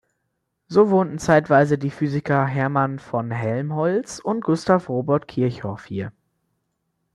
So wohnten zeitweise die Physiker Hermann von Helmholtz und Gustav Robert Kirchhoff hier.